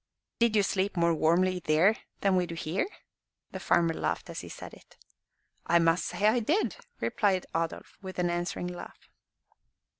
"Did you sleep more warmly than we do here?" The farmer laughed as he said it. "I must say I did," replied Adolf, with an answering laugh.